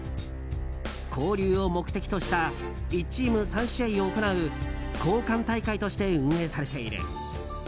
交流を目的とした１チーム３試合を行う交歓大会として運営されている。